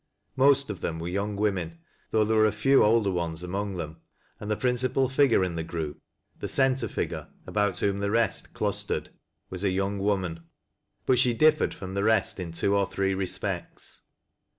Most of them were young women, though there were a few older ones among them, and the principal figure in the group — the center figure, about whom the rest clustered — was a young woman. But she differed from the rest in two or three respects.